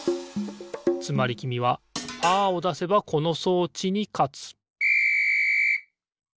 つまりきみはパーをだせばこの装置にかつピッ！